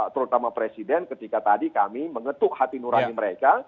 terutama presiden ketika tadi kami mengetuk hati nurani mereka